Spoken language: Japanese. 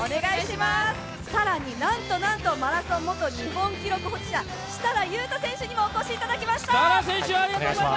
更になんとなんとマラソン元日本記録保持者、設楽悠太選手にもお越しいただきました。